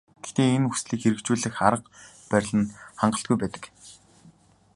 Гэтэл энэ хүслийг хэрэгжүүлэх арга барил нь хангалтгүй байдаг.